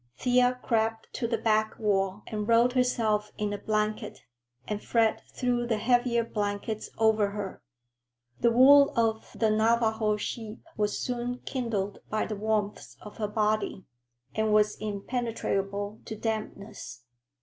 Thea crept to the back wall and rolled herself in a blanket, and Fred threw the heavier blankets over her. The wool of the Navajo sheep was soon kindled by the warmth of her body, and was impenetrable to dampness.